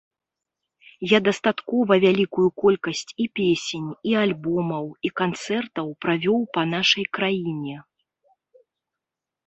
Я дастаткова вялікую колькасць і песень, і альбомаў, і канцэртаў правёў па нашай краіне.